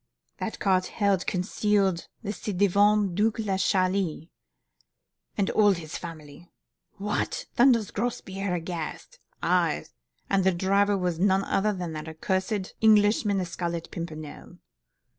that cart held concealed the ci devant Duc de Chalis and all his family!' 'What!' thunders Grospierre, aghast. 'Aye! and the driver was none other than that cursed Englishman, the Scarlet Pimpernel.